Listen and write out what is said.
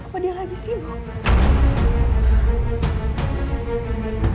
apa dia lagi sibuk